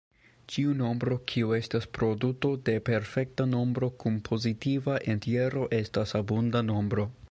Ĉiu nombro kiu estas produto de perfekta nombro kun pozitiva entjero estas abunda nombro.